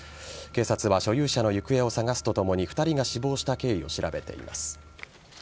警察は所有者の行方を捜すともに２人が死亡した経緯を調べています。